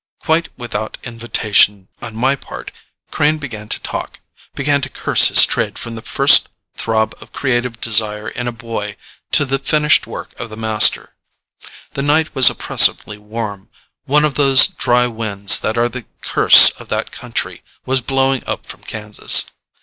Quite without invitation on my part, Crane began to talk, began to curse his trade from the first throb of creative desire in a boy to the finished work of the master. The night was oppressively warm; one of those dry winds that are the curse of that country was blowing up from Kansas.